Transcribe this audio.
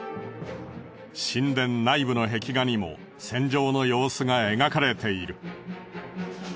神殿内部の壁画にも戦場の様子が描かれている。